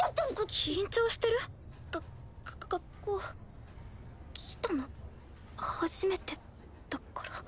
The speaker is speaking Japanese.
緊張してる？が学校来たの初めてだから。